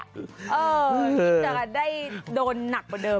เออนี่จะได้โดนหนักกว่าเดิม